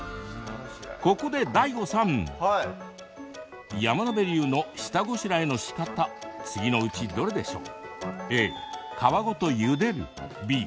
ここでＤＡＩＧＯさん山野辺流の下ごしらえのしかた次のうちどれでしよう？